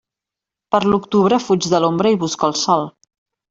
Per l'octubre, fuig de l'ombra i busca el sol.